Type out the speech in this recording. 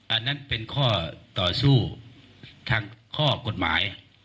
อันนั้นเป็นข้อต่อสู้ทางข้อกฎหมาย